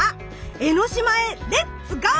江の島へレッツ・ゴー！